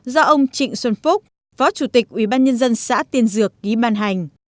do ông trịnh xuân phúc phó chủ tịch ủy ban nhân dân xã tiên dược ghi ban hành